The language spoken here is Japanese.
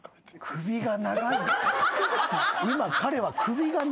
首が長い。